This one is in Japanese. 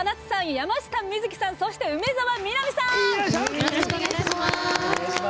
山下美月さん、梅澤美波さん。